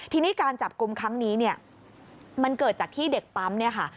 ทีนี้การจับกลุ่มครั้งนี้เนี่ยมันเกิดจากที่เด็กปั๊มเนี่ยค่ะ